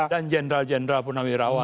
dan jenderal jenderal purnamirawan